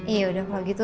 iya udah kalau gitu